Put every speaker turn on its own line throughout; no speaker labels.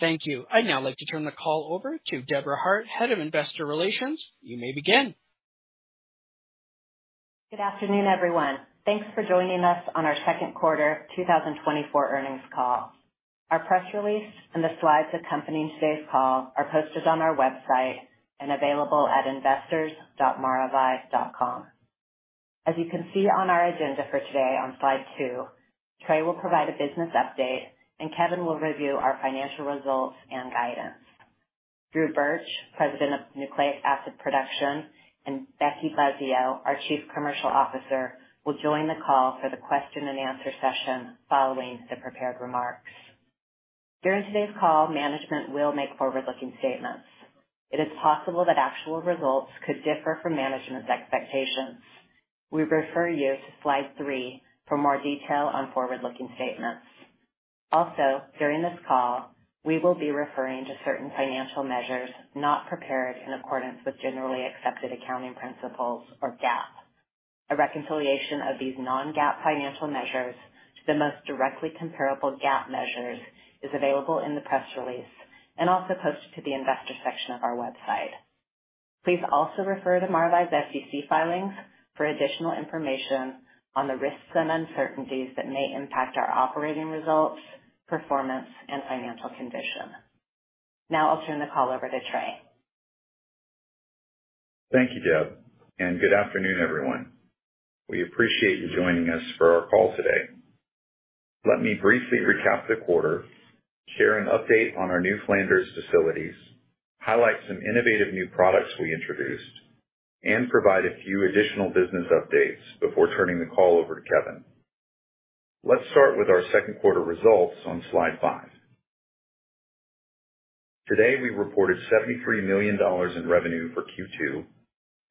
Thank you. I'd now like to turn the call over to Debra Hart, Head of Investor Relations. You may begin.
Good afternoon, everyone. Thanks for joining us on our Q2 2024 Earnings Call. Our press release and the slides accompanying today's call are posted on our website and available at investors.maravai.com. As you can see on our agenda for today on slide 2, Trey will provide a business update, and Kevin will review our financial results and guidance. Drew Burch, President of Nucleic Acid Production, and Becky Buzzeo, our Chief Commercial Officer, will join the call for the question-and-answer session following the prepared remarks. During today's call, management will make forward-looking statements. It is possible that actual results could differ from management's expectations. We refer you to slide 3 for more detail on forward-looking statements. Also, during this call, we will be referring to certain financial measures not prepared in accordance with Generally Accepted Accounting Principles, or GAAP. A reconciliation of these non-GAAP financial measures to the most directly comparable GAAP measures is available in the press release and also posted to the investor section of our website. Please also refer to Maravai's SEC filings for additional information on the risks and uncertainties that may impact our operating results, performance, and financial condition. Now I'll turn the call over to Trey.
Thank you, Deb, and good afternoon, everyone. We appreciate you joining us for our call today. Let me briefly recap the quarter, share an update on our new Flanders facilities, highlight some innovative new products we introduced, and provide a few additional business updates before turning the call over to Kevin. Let's start with our Q2 results on slide 5. Today, we reported $73 million in revenue for Q2,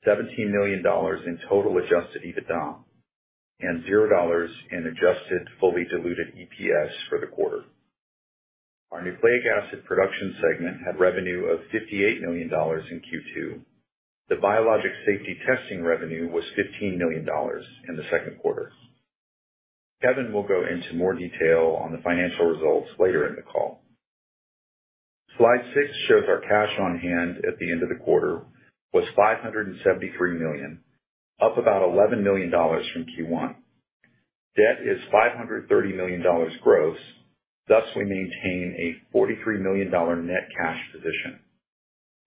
$17 million in total adjusted EBITDA, and $0 in adjusted fully diluted EPS for the quarter. Our Nucleic Acid Production segment had revenue of $58 million in Q2. The Biologics Safety Testing revenue was $15 million in the Q2. Kevin will go into more detail on the financial results later in the call. Slide 6 shows our cash on hand at the end of the quarter was $573 million, up about $11 million from Q1. Debt is $530 million gross. Thus, we maintain a $43 million net cash position.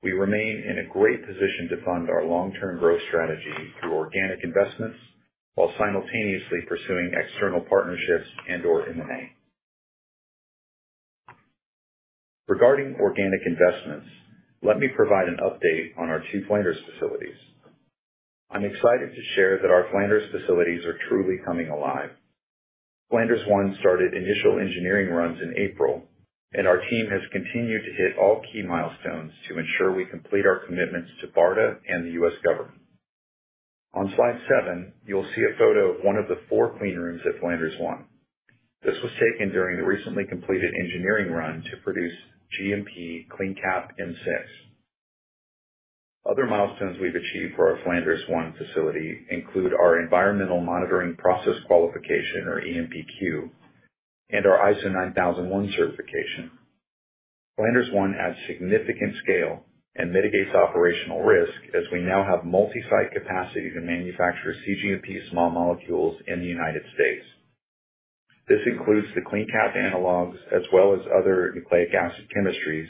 We remain in a great position to fund our long-term growth strategy through organic investments while simultaneously pursuing external partnerships and/or M&A. Regarding organic investments, let me provide an update on our two Flanders facilities. I'm excited to share that our Flanders facilities are truly coming alive. Flanders One started initial engineering runs in April, and our team has continued to hit all key milestones to ensure we complete our commitments to BARDA and the U.S. government. On slide seven, you'll see a photo of one of the four clean rooms at Flanders One. This was taken during the recently completed engineering run to produce GMP CleanCap M6. Other milestones we've achieved for our Flanders One facility include our environmental monitoring process qualification, or EMPQ, and our ISO 9001 certification. Flanders One adds significant scale and mitigates operational risk as we now have multi-site capacity to manufacture CGMP small molecules in the United States. This includes the CleanCap analogs as well as other nucleic acid chemistries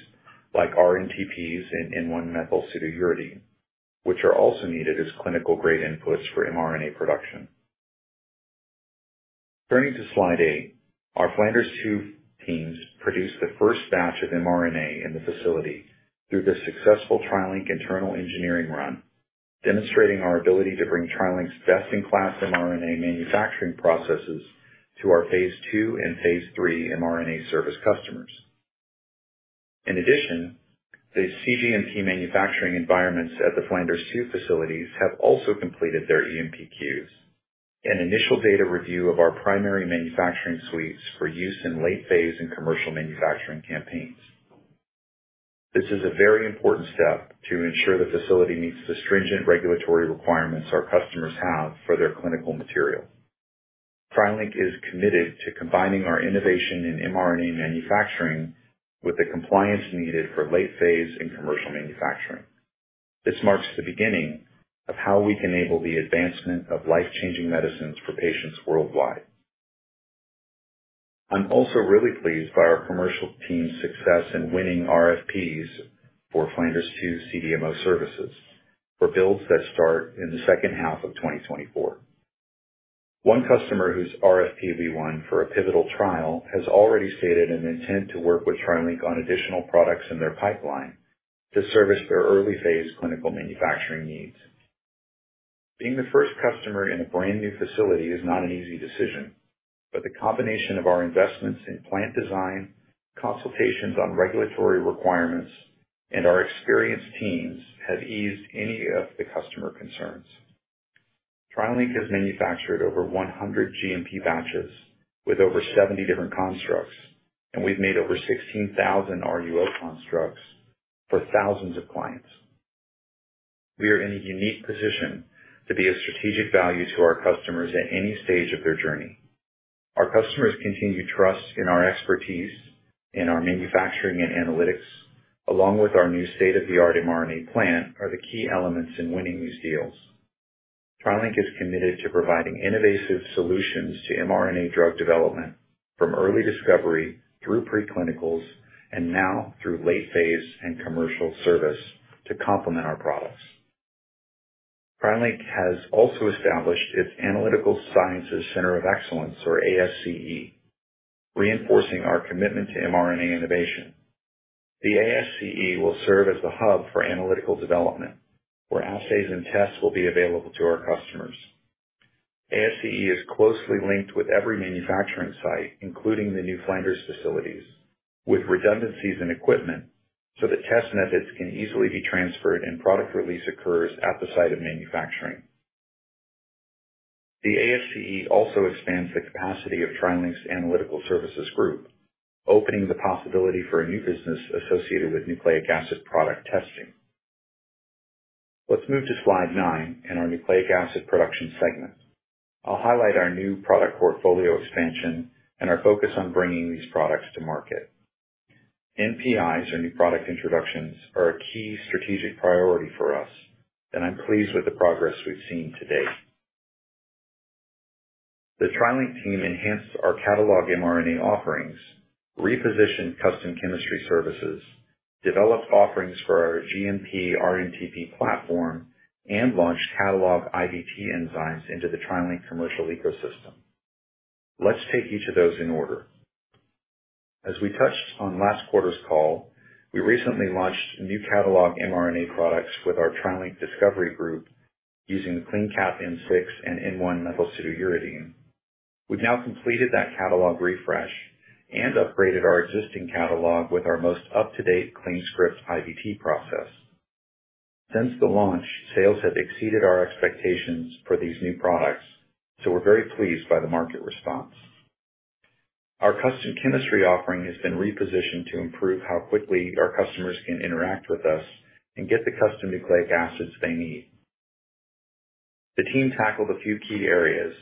like rNTPs and N1-Methylpseudouridine, which are also needed as clinical-grade inputs for mRNA production. Turning to slide 8, our Flanders 2 teams produced the first batch of mRNA in the facility through the successful TriLink internal engineering run, demonstrating our ability to bring TriLink's best-in-class mRNA manufacturing processes to our phase two and phase three mRNA service customers. In addition, the CGMP manufacturing environments at the Flanders 2 facilities have also completed their EMPQs, an initial data review of our primary manufacturing suites for use in late-phase and commercial manufacturing campaigns. This is a very important step to ensure the facility meets the stringent regulatory requirements our customers have for their clinical material. TriLink is committed to combining our innovation in mRNA manufacturing with the compliance needed for late-phase and commercial manufacturing. This marks the beginning of how we can enable the advancement of life-changing medicines for patients worldwide. I'm also really pleased by our commercial team's success in winning RFPs for Flanders 2 CDMO services for builds that start in the of 2024. One customer whose RFP we won for a pivotal trial has already stated an intent to work with TriLink on additional products in their pipeline to service their early-phase clinical manufacturing needs. Being the first customer in a brand new facility is not an easy decision, but the combination of our investments in plant design, consultations on regulatory requirements, and our experienced teams has eased any of the customer concerns. TriLink has manufactured over 100 GMP batches with over 70 different constructs, and we've made over 16,000 RUO constructs for thousands of clients. We are in a unique position to be a strategic value to our customers at any stage of their journey. Our customers' continued trust in our expertise, in our manufacturing and analytics, along with our new state-of-the-art mRNA plant are the key elements in winning these deals. TriLink is committed to providing innovative solutions to mRNA drug development from early discovery through preclinicals and now through late-phase and commercial service to complement our products. TriLink has also established its Analytical Sciences Center of Excellence, or ASCE, reinforcing our commitment to mRNA innovation. The ASCE will serve as the hub for analytical development, where assays and tests will be available to our customers. ASCE is closely linked with every manufacturing site, including the new Flanders facilities, with redundancies in equipment so that test methods can easily be transferred and product release occurs at the site of manufacturing. The ASCE also expands the capacity of TriLink's analytical services group, opening the possibility for a new business associated with nucleic acid product testing. Let's move to slide nine in our nucleic acid production segment. I'll highlight our new product portfolio expansion and our focus on bringing these products to market. NPIs, or new product introductions, are a key strategic priority for us, and I'm pleased with the progress we've seen to date. The TriLink team enhanced our catalog mRNA offerings, repositioned custom chemistry services, developed offerings for our GMP rNTP platform, and launched catalog IVT enzymes into the TriLink commercial ecosystem. Let's take each of those in order. As we touched on last quarter's call, we recently launched new catalog mRNA products with our TriLink Discovery group using the CleanCap M6 and N1-methylpseudouridine. We've now completed that catalog refresh and upgraded our existing catalog with our most up-to-date CleanScript IVT process. Since the launch, sales have exceeded our expectations for these new products, so we're very pleased by the market response. Our custom chemistry offering has been repositioned to improve how quickly our customers can interact with us and get the custom nucleic acids they need. The team tackled a few key areas,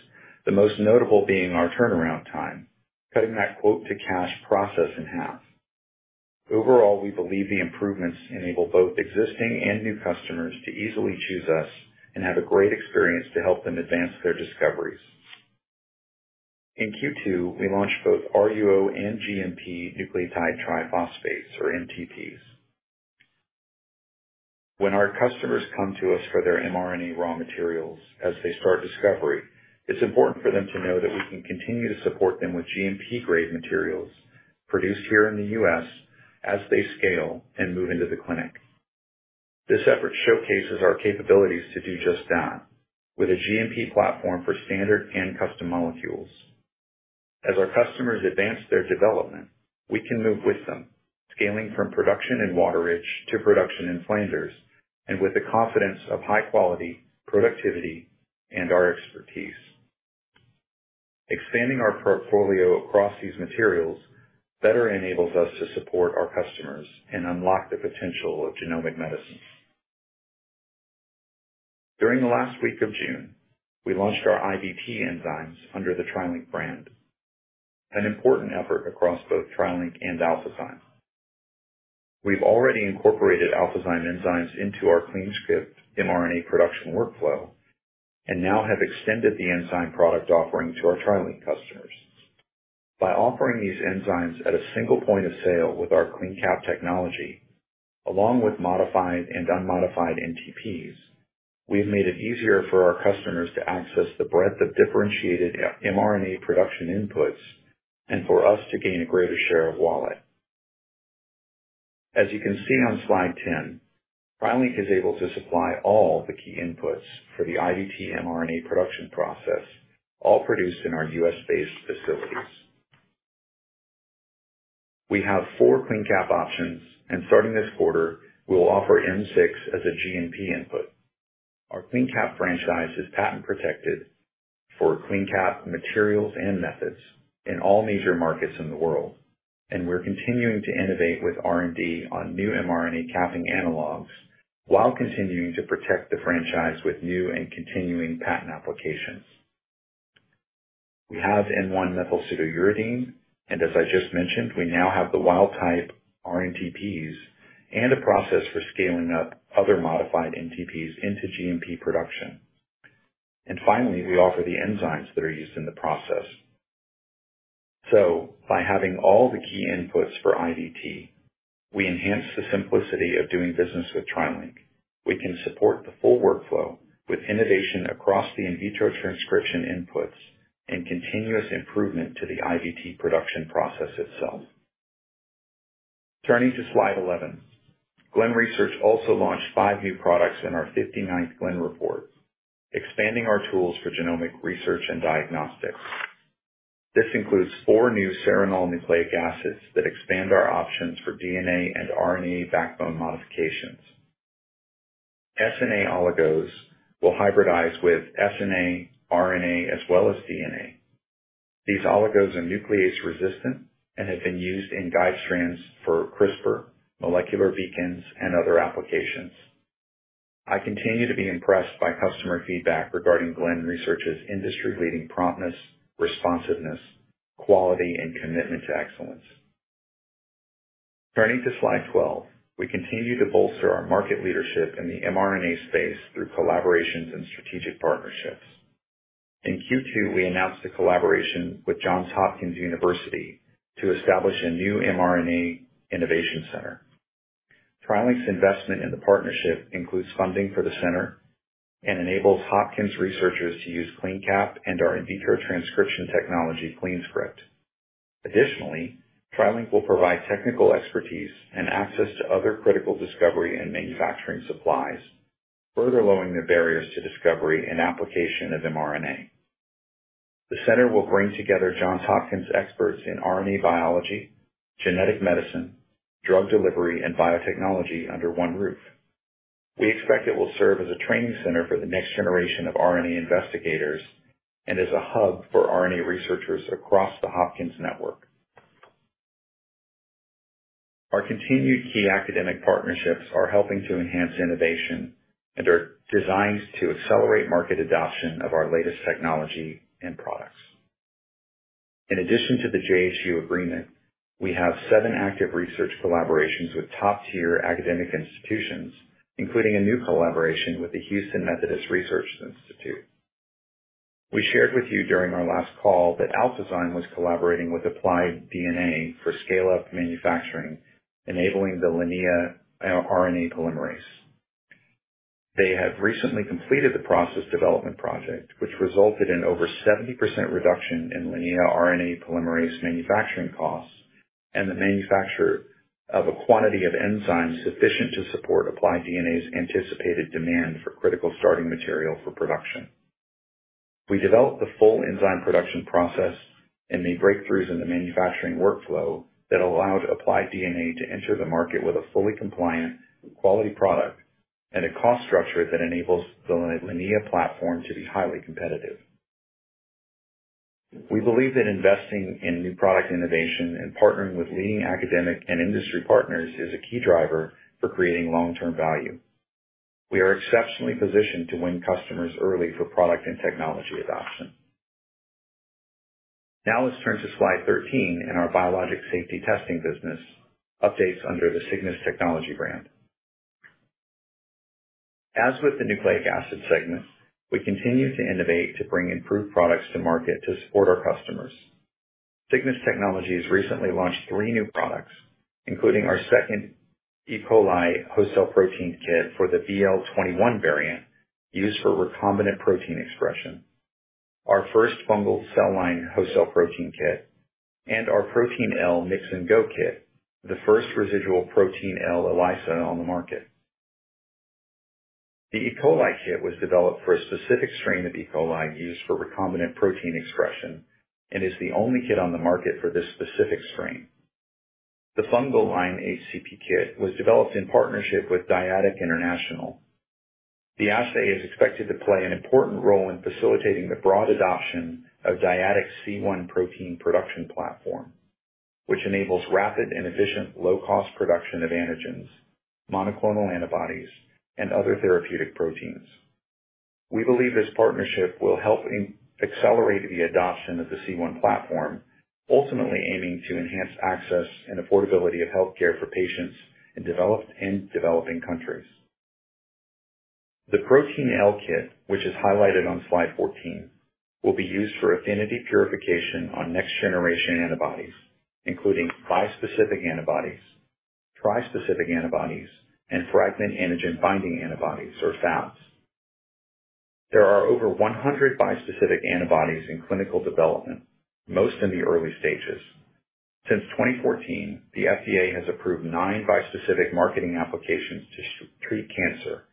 the most notable being our turnaround time, cutting that quote-to-cash process in half. Overall, we believe the improvements enable both existing and new customers to easily choose us and have a great experience to help them advance their discoveries. In Q2, we launched both RUO and GMP nucleotide triphosphates, or NTPs. When our customers come to us for their mRNA raw materials as they start discovery, it's important for them to know that we can continue to support them with GMP-grade materials produced here in the U.S. as they scale and move into the clinic. This effort showcases our capabilities to do just that with a GMP platform for standard and custom molecules. As our customers advance their development, we can move with them, scaling from production in Wateridge to production in Flanders, and with the confidence of high quality, productivity, and our expertise. Expanding our portfolio across these materials better enables us to support our customers and unlock the potential of genomic medicines. During the last week of June, we launched our IVT enzymes under the TriLink brand, an important effort across both TriLink and Alphazyme. We've already incorporated Alphazyme enzymes into our CleanScript mRNA production workflow and now have extended the enzyme product offering to our TriLink customers. By offering these enzymes at a single point of sale with our CleanCap technology, along with modified and unmodified NTPs, we've made it easier for our customers to access the breadth of differentiated mRNA production inputs and for us to gain a greater share of wallet. As you can see on slide 10, TriLink is able to supply all the key inputs for the IVT mRNA production process, all produced in our U.S.-based facilities. We have four CleanCap options, and starting this quarter, we'll offer M6 as a GMP input. Our CleanCap franchise is patent-protected for CleanCap materials and methods in all major markets in the world, and we're continuing to innovate with R&D on new mRNA capping analogs while continuing to protect the franchise with new and continuing patent applications. We have N1-Methylpseudouridine, and as I just mentioned, we now have the wild-type rNTPs and a process for scaling up other modified NTPs into GMP production. And finally, we offer the enzymes that are used in the process. So, by having all the key inputs for IVT, we enhance the simplicity of doing business with TriLink. We can support the full workflow with innovation across the in vitro transcription inputs and continuous improvement to the IVT production process itself. Turning to slide 11, Glen Research also launched 5 new products in our 59th Glen report, expanding our tools for genomic research and diagnostics. This includes 4 new Serinol nucleic acids that expand our options for DNA and RNA backbone modifications. SNA oligos will hybridize with SNA, RNA, as well as DNA. These oligos are nuclease-resistant and have been used in guide strands for CRISPR, molecular beacons, and other applications. I continue to be impressed by customer feedback regarding Glen Research's industry-leading promptness, responsiveness, quality, and commitment to excellence. Turning to slide 12, we continue to bolster our market leadership in the mRNA space through collaborations and strategic partnerships. In Q2, we announced a collaboration with Johns Hopkins University to establish a new mRNA innovation center. TriLink's investment in the partnership includes funding for the center and enables Hopkins researchers to use CleanCap and our in vitro transcription technology, CleanScript. Additionally, TriLink will provide technical expertise and access to other critical discovery and manufacturing supplies, further lowering the barriers to discovery and application of mRNA. The center will bring together Johns Hopkins experts in RNA biology, genetic medicine, drug delivery, and biotechnology under one roof. We expect it will serve as a training center for the next generation of RNA investigators and as a hub for RNA researchers across the Hopkins network. Our continued key academic partnerships are helping to enhance innovation and are designed to accelerate market adoption of our latest technology and products. In addition to the JHU agreement, we have seven active research collaborations with top-tier academic institutions, including a new collaboration with the Houston Methodist Research Institute. We shared with you during our last call that Alphazyme was collaborating with Applied DNA for scale-up manufacturing, enabling the Linea RNA Polymerase. They have recently completed the process development project, which resulted in over 70% reduction in Linea RNA Polymerase manufacturing costs and the manufacture of a quantity of enzymes sufficient to support Applied DNA's anticipated demand for critical starting material for production. We developed the full enzyme production process and made breakthroughs in the manufacturing workflow that allowed Applied DNA to enter the market with a fully compliant, quality product and a cost structure that enables the Linea platform to be highly competitive. We believe that investing in new product innovation and partnering with leading academic and industry partners is a key driver for creating long-term value. We are exceptionally positioned to win customers early for product and technology adoption. Now let's turn to slide 13 in our Biologics Safety Testing business updates under the Cygnus Technologies brand. As with the nucleic acid segment, we continue to innovate to bring improved products to market to support our customers. Cygnus Technologies recently launched three new products, including our second E. coli host cell protein kit for the BL21 variant used for recombinant protein expression, our first fungal cell line host cell protein kit, and our Protein L Mix-N-Go kit, the first residual Protein L ELISA on the market. The E. coli kit was developed for a specific strain of E. coli used for recombinant protein expression and is the only kit on the market for this specific strain. The fungal line HCP kit was developed in partnership with Dyadic International. The assay is expected to play an important role in facilitating the broad adoption of Dyadic C1 Protein Production Platform, which enables rapid and efficient low-cost production of antigens, monoclonal antibodies, and other therapeutic proteins. We believe this partnership will help accelerate the adoption of the C1 platform, ultimately aiming to enhance access and affordability of healthcare for patients in developed and developing countries. The Protein L kit, which is highlighted on slide 14, will be used for affinity purification on next-generation antibodies, including bispecific antibodies, trispecific antibodies, and fragment antigen binding antibodies, or FABs. There are over 100 bispecific antibodies in clinical development, most in the early stages. Since 2014, the FDA has approved 9 bispecific marketing applications to treat cancer,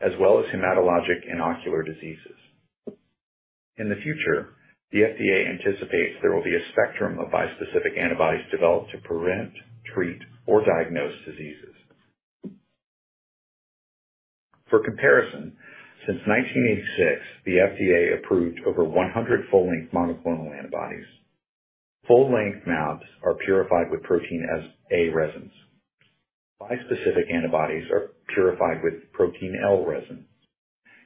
as well as hematologic and ocular diseases. In the future, the FDA anticipates there will be a spectrum of bispecific antibodies developed to prevent, treat, or diagnose diseases. For comparison, since 1986, the FDA approved over 100 full-length monoclonal antibodies. Full-length MABs are purified with Protein A resins. Bispecific antibodies are purified with Protein L resin.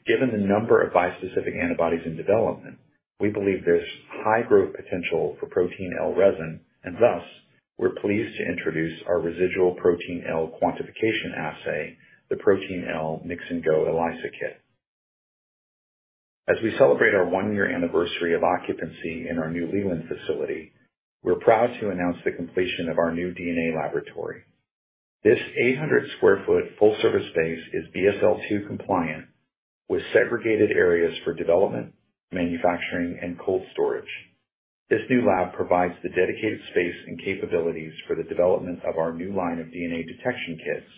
Given the number of bispecific antibodies in development, we believe there's high growth potential for Protein L resin, and thus we're pleased to introduce our residual Protein L quantification assay, the Protein L Mix-N-Go ELISA Kit. As we celebrate our 1-year anniversary of occupancy in our new Leland facility, we're proud to announce the completion of our new DNA laboratory. This 800 sq ft full-service space is BSL2 compliant, with segregated areas for development, manufacturing, and cold storage. This new lab provides the dedicated space and capabilities for the development of our new line of DNA detection kits,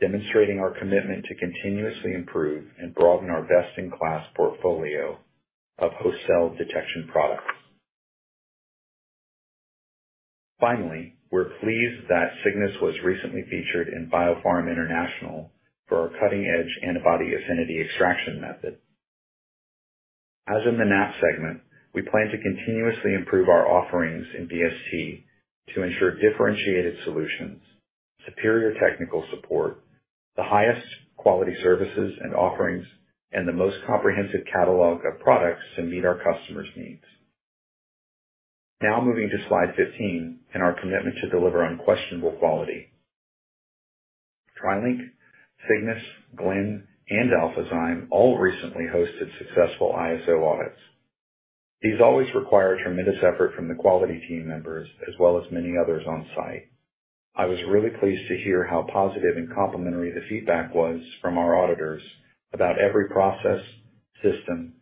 demonstrating our commitment to continuously improve and broaden our best-in-class portfolio of host cell detection products. Finally, we're pleased that Cygnus was recently featured in BioPharm International for our cutting-edge antibody affinity extraction method. As in the NAP segment, we plan to continuously improve our offerings in BST to ensure differentiated solutions, superior technical support, the highest quality services and offerings, and the most comprehensive catalog of products to meet our customers' needs. Now moving to slide 15 in our commitment to deliver unquestionable quality. TriLink, Cygnus, Glen, and Alphazyme all recently hosted successful ISO audits. These always require tremendous effort from the quality team members, as well as many others on site. I was really pleased to hear how positive and complimentary the feedback was from our auditors about every process, system,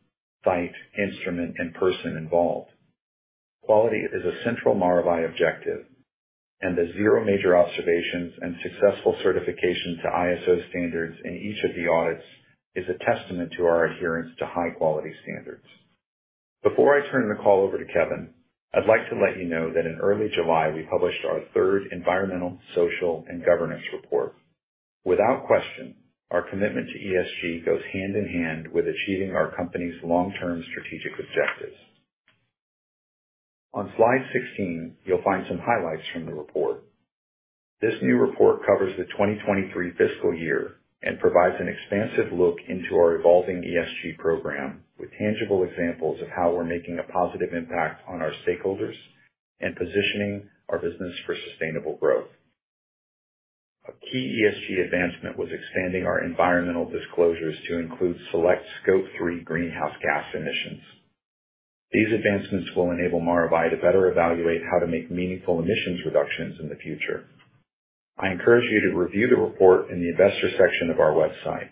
site, instrument, and person involved. Quality is a central Maravai objective, and the zero major observations and successful certification to ISO standards in each of the audits is a testament to our adherence to high-quality standards. Before I turn the call over to Kevin, I'd like to let you know that in early July, we published our third environmental, social, and governance report. Without question, our commitment to ESG goes hand in hand with achieving our company's long-term strategic objectives. On slide 16, you'll find some highlights from the report. This new report covers the 2023 fiscal year and provides an expansive look into our evolving ESG program with tangible examples of how we're making a positive impact on our stakeholders and positioning our business for sustainable growth. A key ESG advancement was expanding our environmental disclosures to include select Scope 3 greenhouse gas emissions. These advancements will enable Maravai to better evaluate how to make meaningful emissions reductions in the future. I encourage you to review the report in the investor section of our website.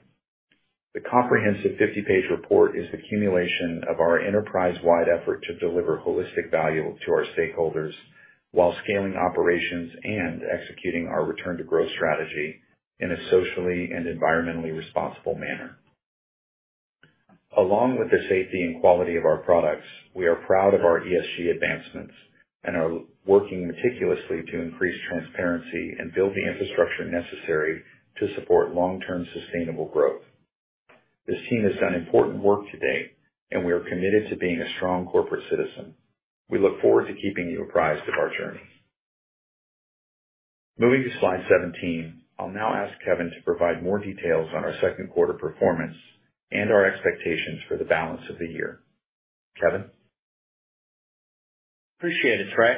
The comprehensive 50-page report is the culmination of our enterprise-wide effort to deliver holistic value to our stakeholders while scaling operations and executing our return-to-growth strategy in a socially and environmentally responsible manner. Along with the safety and quality of our products, we are proud of our ESG advancements and are working meticulously to increase transparency and build the infrastructure necessary to support long-term sustainable growth. This team has done important work today, and we are committed to being a strong corporate citizen. We look forward to keeping you apprised of our journey. Moving to slide 17, I'll now ask Kevin to provide more details on our Q2 performance and our expectations for the balance of the year. Kevin?
Appreciate it, Trey.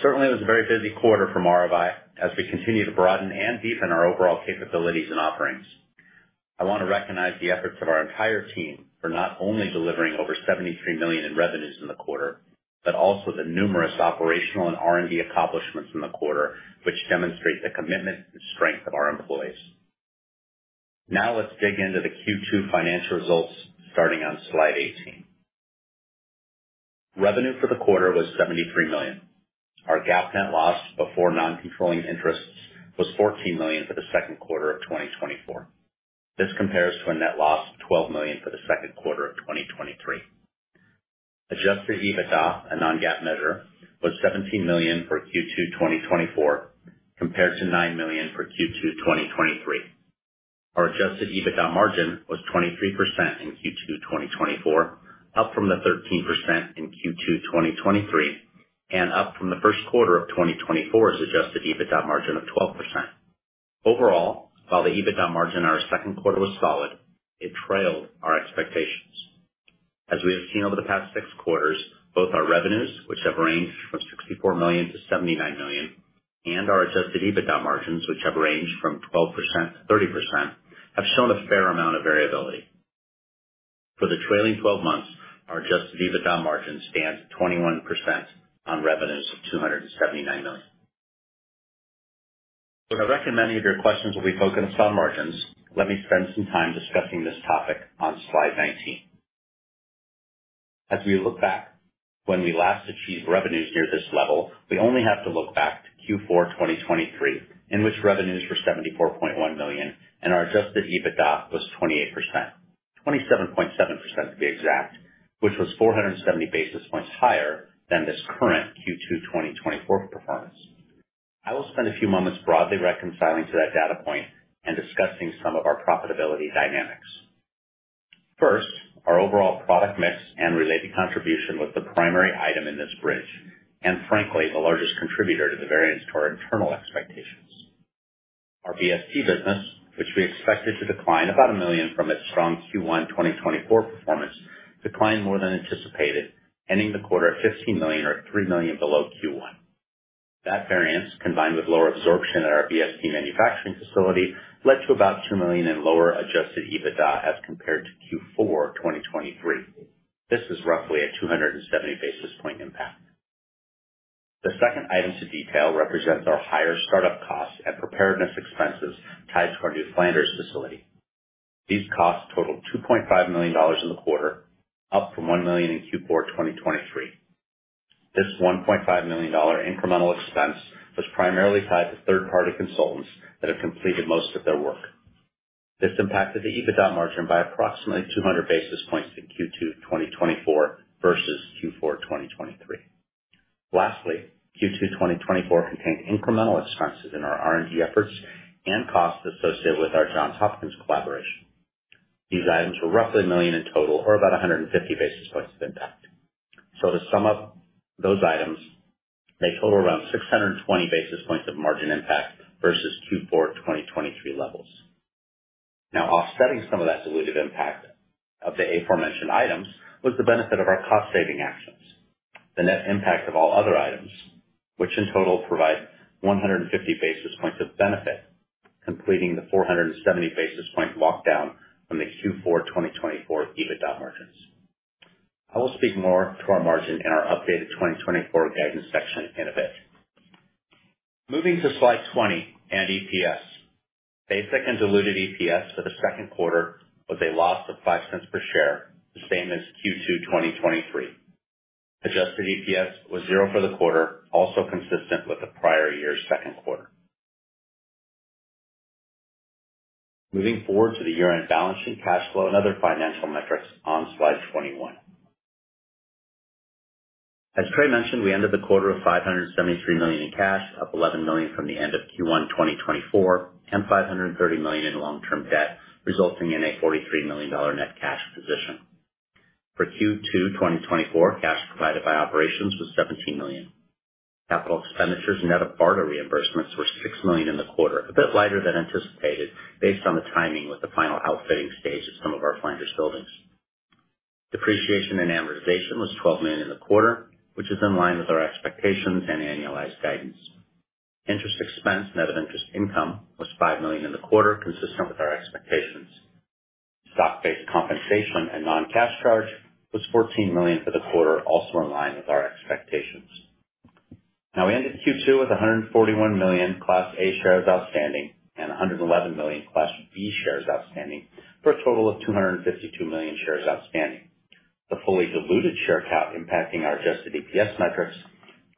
Certainly, it was a very busy quarter for Maravai as we continue to broaden and deepen our overall capabilities and offerings. I want to recognize the efforts of our entire team for not only delivering over $73 million in revenues in the quarter, but also the numerous operational and R&D accomplishments in the quarter, which demonstrate the commitment and strength of our employees. Now let's dig into the Q2 financial results starting on slide 18. Revenue for the quarter was $73 million. Our GAAP net loss before non-controlling interests was $14 million for the Q2 of 2024. This compares to a net loss of $12 million for the Q2 of 2023. Adjusted EBITDA, a non-GAAP measure, was $17 million for Q2 2024, compared to $9 million for Q2 2023. Our adjusted EBITDA margin was 23% in Q2 2024, up from the 13% in Q2 2023, and up from the Q1 of 2024's adjusted EBITDA margin of 12%. Overall, while the EBITDA margin in our Q2 was solid, it trailed our expectations. As we have seen over the past six quarters, both our revenues, which have ranged from $64 million-$79 million, and our adjusted EBITDA margins, which have ranged from 12%-30%, have shown a fair amount of variability. For the trailing 12 months, our adjusted EBITDA margin stands at 21% on revenues of $279 million. To recognize many of your questions will be focused on margins, let me spend some time discussing this topic on slide 19. As we look back, when we last achieved revenues near this level, we only have to look back to Q4 2023, in which revenues were $74.1 million and our adjusted EBITDA was 28%, 27.7% to be exact, which was 470 basis points higher than this current Q2 2024 performance. I will spend a few moments broadly reconciling to that data point and discussing some of our profitability dynamics. First, our overall product mix and related contribution was the primary item in this bridge, and frankly, the largest contributor to the variance to our internal expectations. Our BST business, which we expected to decline about $1 million from its strong Q1 2024 performance, declined more than anticipated, ending the quarter at $15 million, or $3 million below Q1. That variance, combined with lower absorption at our BST manufacturing facility, led to about $2 million in lower adjusted EBITDA as compared to Q4 2023. This is roughly a 270 basis point impact. The second item to detail represents our higher startup costs and preparedness expenses tied to our new Flanders facility. These costs totaled $2.5 million in the quarter, up from $1 million in Q4 2023. This $1.5 million incremental expense was primarily tied to third-party consultants that have completed most of their work. This impacted the EBITDA margin by approximately 200 basis points in Q2 2024 versus Q4 2023. Lastly, Q2 2024 contained incremental expenses in our R&D efforts and costs associated with our Johns Hopkins collaboration. These items were roughly $1 million in total, or about 150 basis points of impact. So to sum up, those items may total around 620 basis points of margin impact versus Q4 2023 levels. Now, offsetting some of that dilutive impact of the aforementioned items was the benefit of our cost-saving actions, the net impact of all other items, which in total provide 150 basis points of benefit, completing the 470 basis point walkdown from the Q4 2023 EBITDA margins. I will speak more to our margin in our updated 2024 guidance section in a bit. Moving to slide 20 and EPS. Basic and diluted EPS for the Q2 was a loss of $0.05 per share, the same as Q2 2023. Adjusted EPS was $0 for the quarter, also consistent with the prior year's Q2. Moving forward to the year-end balance sheet cash flow and other financial metrics on slide 21. As Trey mentioned, we ended the quarter with $573 million in cash, up $11 million from the end of Q1 2024, and $530 million in long-term debt, resulting in a $43 million net cash position. For Q2 2024, cash provided by operations was $17 million. Capital expenditures and net of BARDA reimbursements were $6 million in the quarter, a bit lighter than anticipated based on the timing with the final outfitting stage of some of our Flanders buildings. Depreciation and amortization was $12 million in the quarter, which is in line with our expectations and annualized guidance. Interest expense and net of interest income was $5 million in the quarter, consistent with our expectations. Stock-based compensation and non-cash charge was $14 million for the quarter, also in line with our expectations. Now we ended Q2 with 141 million Class A shares outstanding and 111 million Class B shares outstanding, for a total of 252 million shares outstanding. The fully diluted share count impacting our adjusted EPS metrics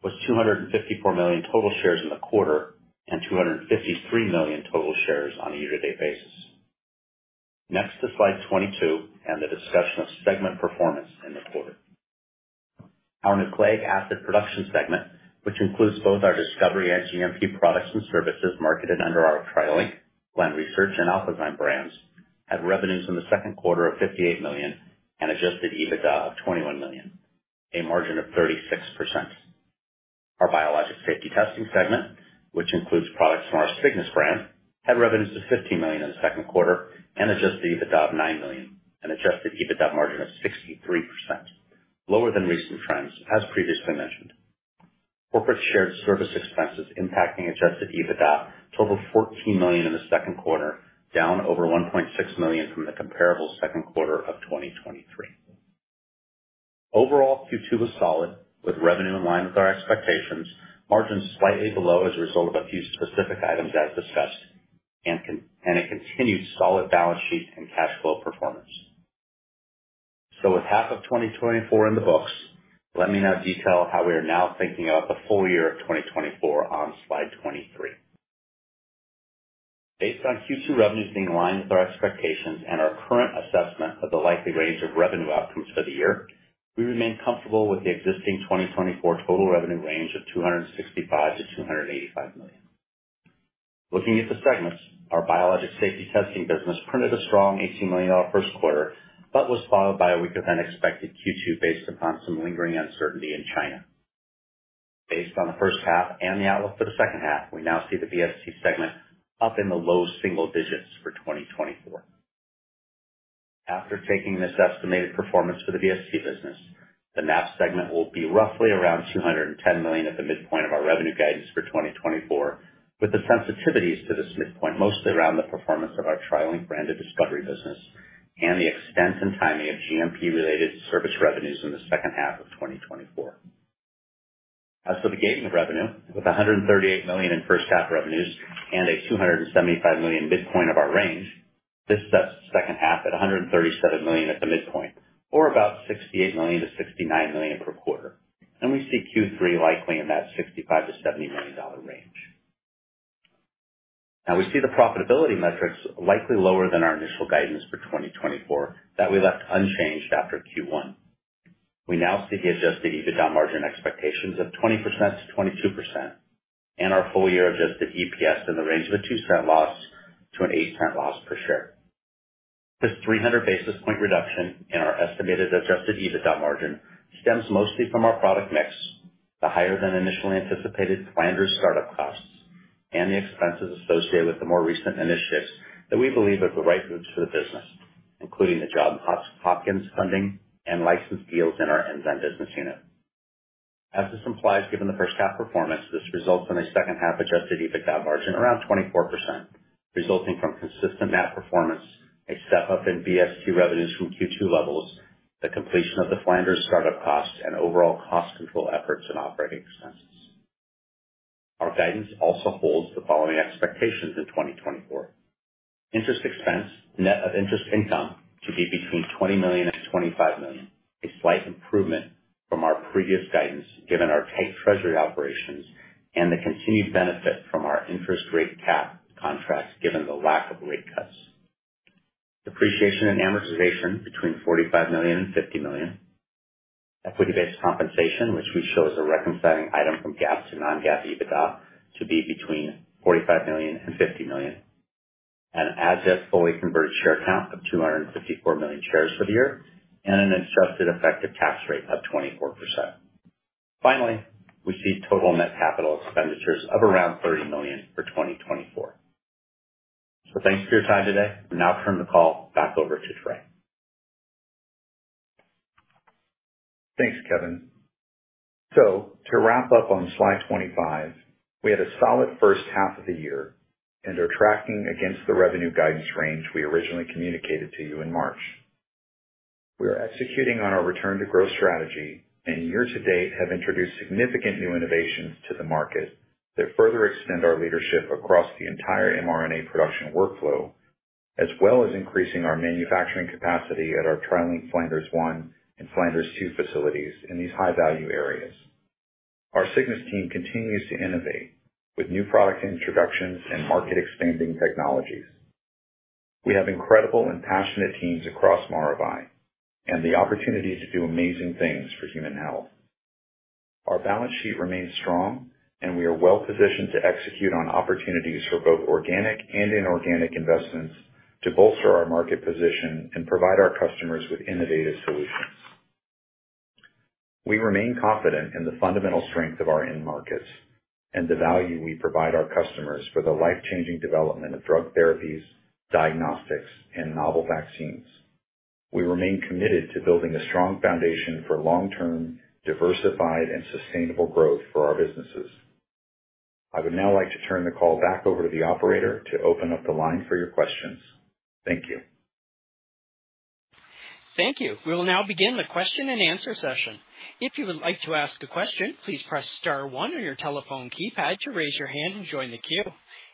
was 254 million total shares in the quarter and 253 million total shares on a year-to-date basis. Next to slide 22 and the discussion of segment performance in the quarter. Our nucleic acid production segment, which includes both our discovery and GMP products and services marketed under our TriLink, Glen Research, and Alphazyme brands, had revenues in the Q2 of $58 million and Adjusted EBITDA of $21 million, a margin of 36%. Our Biologics Safety Testing segment, which includes products from our Cygnus brand, had revenues of $15 million in the Q2 and Adjusted EBITDA of $9 million, an Adjusted EBITDA margin of 63%, lower than recent trends, as previously mentioned. Corporate shared service expenses impacting Adjusted EBITDA totaled $14 million in the Q2, down over $1.6 million from the comparable Q2 of 2023. Overall, Q2 was solid, with revenue in line with our expectations, margins slightly below as a result of a few specific items as discussed, and a continued solid balance sheet and cash flow performance. So with half of 2024 in the books, let me now detail how we are now thinking about the full year of 2024 on slide 23. Based on Q2 revenues being aligned with our expectations and our current assessment of the likely range of revenue outcomes for the year, we remain comfortable with the existing 2024 total revenue range of $265 million-$285 million. Looking at the segments, our Biologics Safety Testing business printed a strong $18 million Q1, but was followed by a weaker than expected Q2 based upon some lingering uncertainty in China. Based on the H1 and the outlook for the H2, we now see the BST segment up in the low single digits for 2024. After taking this estimated performance for the BST business, the NAPS segment will be roughly around $210 million at the midpoint of our revenue guidance for 2024, with the sensitivities to this midpoint mostly around the performance of our TriLink branded discovery business and the extent and timing of GMP-related service revenues in the H2 of 2024. As for the gating of revenue, with $138 million in H1 revenues and a $275 million midpoint of our range, this sets the H2 at $137 million at the midpoint, or about $68 million-$69 million per quarter, and we see Q3 likely in that $65 million-$70 million dollar range. Now we see the profitability metrics likely lower than our initial guidance for 2024 that we left unchanged after Q1. We now see the adjusted EBITDA margin expectations of 20%-22%, and our full year adjusted EPS in the range of a $0.02 loss to a $0.08 loss per share. This 300 basis points reduction in our estimated adjusted EBITDA margin stems mostly from our product mix, the higher than initially anticipated Flanders startup costs, and the expenses associated with the more recent initiatives that we believe are the right moves for the business, including the Johns Hopkins funding and licensed deals in our end-to-end business unit. As this implies, given the H1 performance, this results in H2 adjusted EBITDA margin around 24%, resulting from consistent net performance, a step up in BST revenues from Q2 levels, the completion of the Flanders startup costs, and overall cost control efforts and operating expenses. Our guidance also holds the following expectations in 2024: interest expense, net of interest income to be between $20 million-$25 million, a slight improvement from our previous guidance given our tight treasury operations and the continued benefit from our interest rate cap contracts given the lack of rate cuts. Depreciation and amortization between $45 million-$50 million. Equity-based compensation, which we show as a reconciling item from GAAP to non-GAAP EBITDA to be between $45 million-$50 million. An as-if fully converted share count of 254 million shares for the year. And an adjusted effective tax rate of 24%. Finally, we see total net capital expenditures of around $30 million for 2024. So thanks for your time today. We'll now turn the call back over to Trey.
Thanks, Kevin. To wrap up on slide 25, we had a solid H1 of the year and are tracking against the revenue guidance range we originally communicated to you in March. We are executing on our return-to-growth strategy and year-to-date have introduced significant new innovations to the market that further extend our leadership across the entire mRNA production workflow, as well as increasing our manufacturing capacity at our TriLink Flanders One and Flanders 2 facilities in these high-value areas. Our Cygnus team continues to innovate with new product introductions and market-expanding technologies. We have incredible and passionate teams across Maravai, and the opportunity to do amazing things for human health. Our balance sheet remains strong, and we are well-positioned to execute on opportunities for both organic and inorganic investments to bolster our market position and provide our customers with innovative solutions. We remain confident in the fundamental strength of our end markets and the value we provide our customers for the life-changing development of drug therapies, diagnostics, and novel vaccines. We remain committed to building a strong foundation for long-term, diversified, and sustainable growth for our businesses. I would now like to turn the call back over to the operator to open up the line for your questions. Thank you.
Thank you. We will now begin the question and answer session. If you would like to ask a question, please press star one on your telephone keypad to raise your hand and join the queue.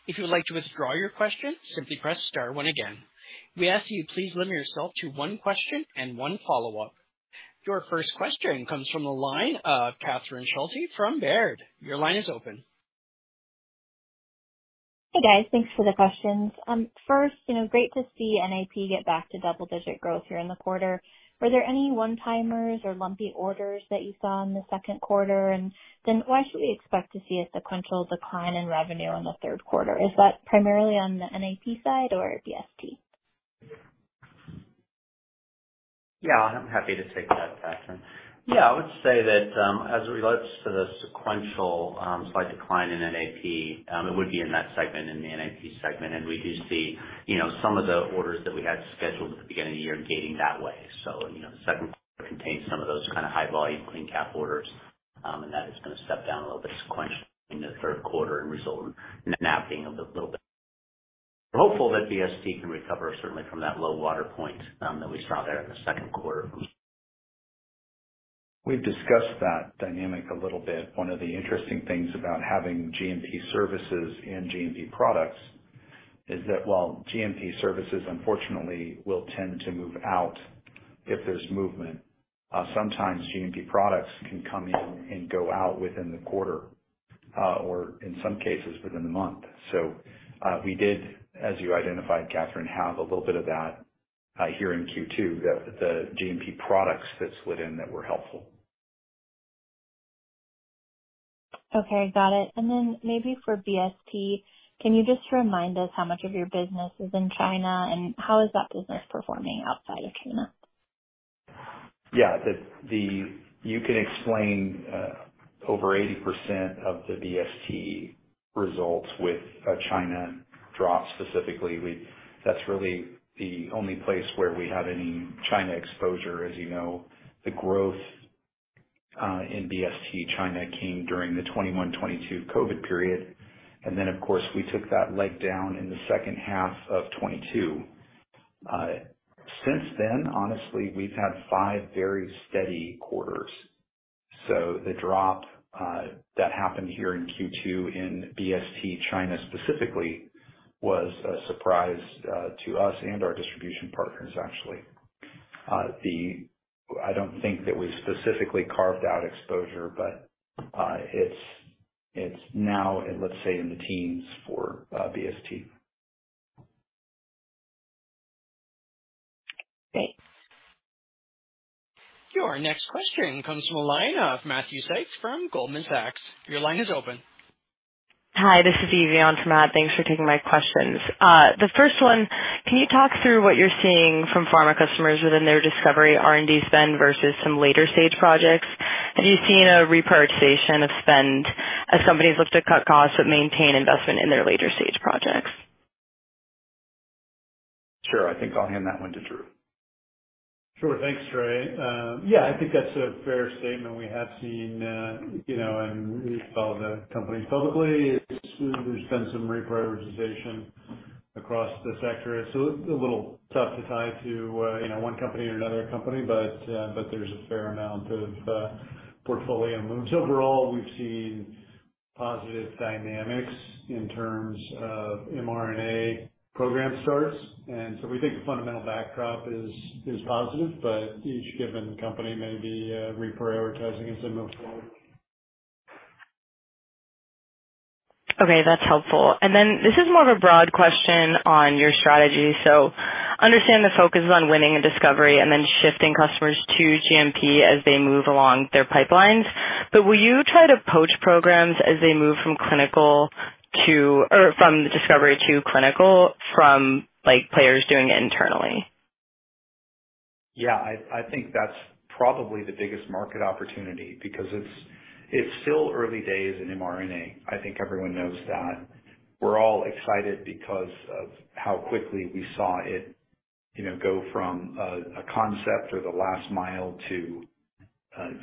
If you would like to withdraw your question, simply press star one again. We ask that you please limit yourself to one question and one follow-up. Your first question comes from the line of Catherine Schulte from Baird. Your line is open.
Hey, guys. Thanks for the questions. First, you know, great to see NAP get back to double-digit growth here in the quarter. Were there any one-timers or lumpy orders that you saw in the Q2? And then why should we expect to see a sequential decline in revenue in the Q3? Is that primarily on the NAP side or BST?
Yeah, I'm happy to take that, Catherine. Yeah, I would say that as it relates to the sequential slight decline in NAP, it would be in that segment, in the NAP segment. And we do see, you know, some of the orders that we had scheduled at the beginning of the year gating that way. So, you know, the Q2 contained some of those kind of high-volume CleanCap orders, and that has been a step down a little bit sequentially in the Q3 and resulted in NAP being a little bit. We're hopeful that BST can recover, certainly, from that low water point that we saw there in the Q2.
We've discussed that dynamic a little bit. One of the interesting things about having GMP services and GMP products is that while GMP services, unfortunately, will tend to move out if there's movement, sometimes GMP products can come in and go out within the quarter or, in some cases, within the month. So we did, as you identified, Catherine, have a little bit of that here in Q2, the GMP products that slid in that were helpful.
Okay, got it. Then maybe for BST, can you just remind us how much of your business is in China and how is that business performing outside of China?
Yeah, you can explain over 80% of the BST results with China drop specifically. That's really the only place where we have any China exposure. As you know, the growth in BST China came during the 2021-2022 COVID period, and then, of course, we took that leg down in the H2 of 2022. Since then, honestly, we've had 5 very steady quarters. The drop that happened here in Q2 in BST China specifically was a surprise to us and our distribution partners, actually. I don't think that we specifically carved out exposure, but it's now, let's say, in the teens for BST.
Great.
Your next question comes from a line of Matthew Sykes from Goldman Sachs. Your line is open.
Hi, this is Evie Abt. Thanks for taking my questions. The first one, can you talk through what you're seeing from pharma customers within their discovery R&D spend versus some later-stage projects? Have you seen a reprioritization of spend as companies look to cut costs but maintain investment in their later-stage projects?
Sure, I think I'll hand that one to Drew.
Sure, thanks, Trey. Yeah, I think that's a fair statement. We have seen, you know, and we tell the companies publicly there's been some reprioritization across the sector. It's a little tough to tie to one company or another company, but there's a fair amount of portfolio moves. Overall, we've seen positive dynamics in terms of mRNA program starts. And so we think the fundamental backdrop is positive, but each given company may be reprioritizing as they move forward.
Okay, that's helpful. Then this is more of a broad question on your strategy. So I understand the focus is on winning and discovery and then shifting customers to GMP as they move along their pipelines. But will you try to poach programs as they move from clinical to, or from discovery to clinical from, like, players doing it internally?
Yeah, I think that's probably the biggest market opportunity because it's still early days in mRNA. I think everyone knows that. We're all excited because of how quickly we saw it, you know, go from a concept or the last mile to,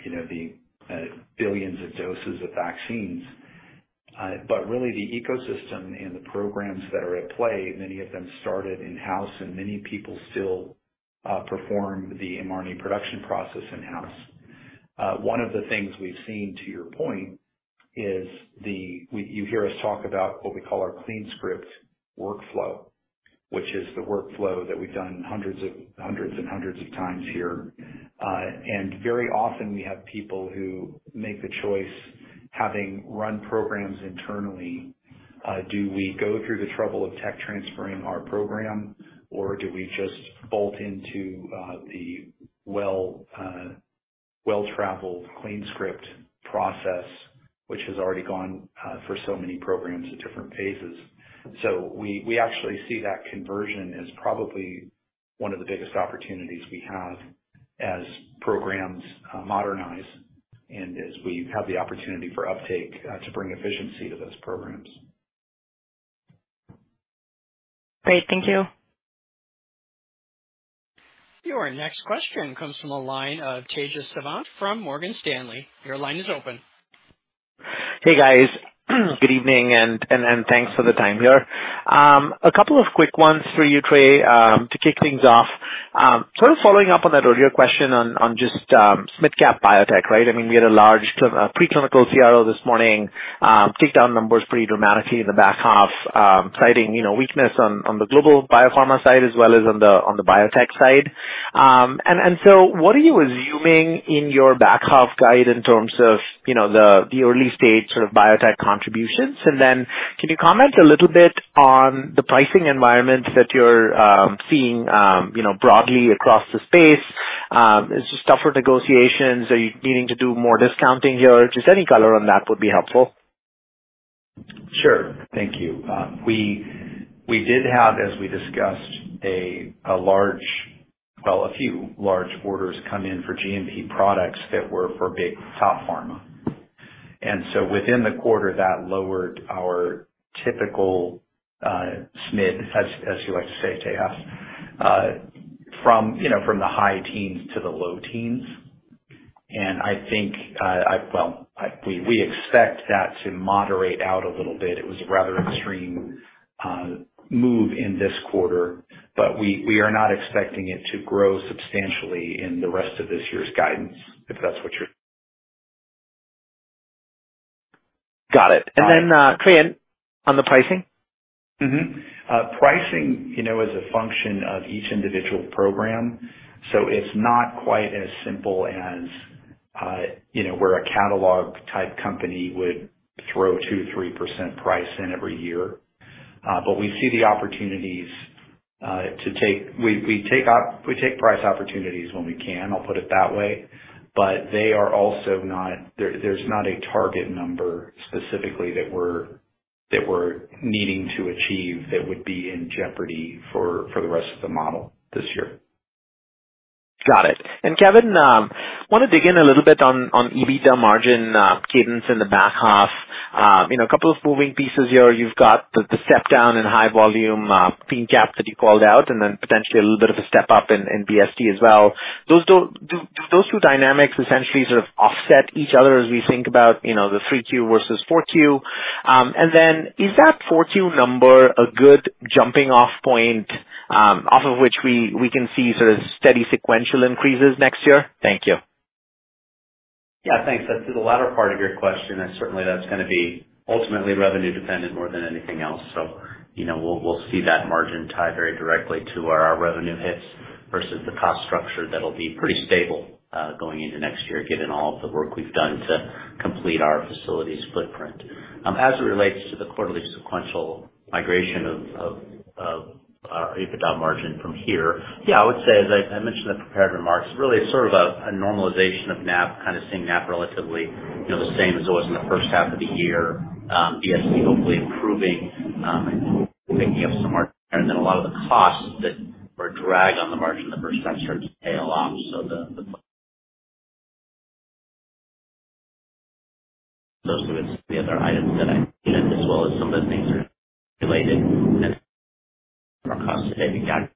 you know, the billions of doses of vaccines. But really, the ecosystem and the programs that are at play, many of them started in-house, and many people still perform the mRNA production process in-house. One of the things we've seen, to your point, is the—you hear us talk about what we call our CleanScript workflow, which is the workflow that we've done hundreds and hundreds of times here. Very often, we have people who make the choice having run programs internally. Do we go through the trouble of tech transferring our program, or do we just bolt into the well-traveled CleanScript process, which has already gone for so many programs at different phases? We actually see that conversion as probably one of the biggest opportunities we have as programs modernize and as we have the opportunity for uptake to bring efficiency to those programs.
Great, thank you.
Your next question comes from a line of Tejas Savant from Morgan Stanley. Your line is open.
Hey, guys. Good evening and thanks for the time here. A couple of quick ones for you, Trey, to kick things off. Sort of following up on that earlier question on just small-cap biotech, right? I mean, we had a large preclinical CRO this morning take down numbers pretty dramatically in the back half, citing, you know, weakness on the global biopharma side as well as on the biotech side. So what are you assuming in your back half guide in terms of, you know, the early-stage sort of biotech contributions? And then can you comment a little bit on the pricing environment that you're seeing, you know, broadly across the space? Is it tougher negotiations? Are you needing to do more discounting here? Just any color on that would be helpful.
Sure, thank you. We did have, as we discussed, a large, well, a few large orders come in for GMP products that were for big top pharma. And so within the quarter, that lowered our typical SMID, as you like to say, Tejas, from, you know, from the high teens to the low teens. And I think, well, we expect that to moderate out a little bit. It was a rather extreme move in this quarter, but we are not expecting it to grow substantially in the rest of this year's guidance, if that's what you're. [inaudible]
Got it. And then, Trey, on the pricing?
Pricing, you know, is a function of each individual program. So it's not quite as simple as, you know, where a catalog-type company would throw 2%, 3% price in every year. But we see the opportunities to take, we take price opportunities when we can, I'll put it that way. But they are also not, there's not a target number specifically that we're needing to achieve that would be in jeopardy for the rest of the model this year.
Got it. And Kevin, I want to dig in a little bit on EBITDA margin cadence in the back half. You know, a couple of moving pieces here. You've got the step down in high-volume CleanCap that you called out, and then potentially a little bit of a step up in BST as well. Do those two dynamics essentially sort of offset each other as we think about, you know, the 3Q versus 4Q? And then is that 4Q number a good jumping-off point off of which we can see sort of steady sequential increases next year? Thank you.
Yeah, thanks. To the latter part of your question, certainly that's going to be ultimately revenue-dependent more than anything else. So, you know, we'll see that margin tie very directly to our revenue hits versus the cost structure that'll be pretty stable going into next year, given all of the work we've done to complete our facilities footprint. As it relates to the quarterly sequential migration of EBITDA margin from here, yeah, I would say, as I mentioned in the prepared remarks, really it's sort of a normalization of NAP, kind of seeing NAP relatively, you know, the same as it was in the H1 of the year. BST, hopefully, improving, picking up some margin. And then a lot of the costs that were a drag on the margin the H1 start to peel off. So those are the other items that I mentioned, as well as some of the things related to our cost-to-date recalculation,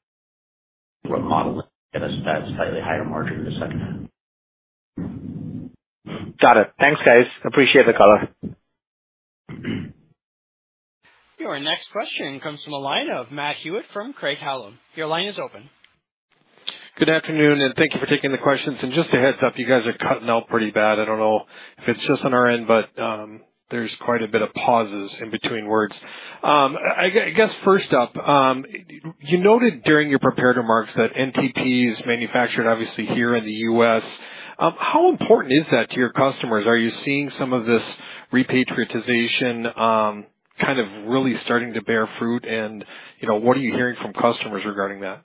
we're modeling at a slightly higher margin in the H2.
Got it. Thanks, guys. Appreciate the color.
Your next question comes from a line of Matt Hewitt from Craig-Hallum. Your line is open.
Good afternoon, and thank you for taking the questions. And just a heads-up, you guys are cutting out pretty bad. I don't know if it's just on our end, but there's quite a bit of pauses in between words. I guess, first up, you noted during your prepared remarks that NTP is manufactured, obviously, here in the U.S. How important is that to your customers? Are you seeing some of this repatriation kind of really starting to bear fruit? And, you know, what are you hearing from customers regarding that?